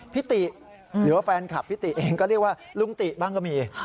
พี่ติหรือว่าแฟนคลับพี่ติเองก็เรียกว่าลุงติบ้างก็มี